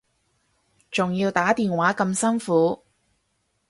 仲要打電話咁辛苦